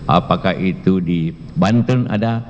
apakah itu di banten ada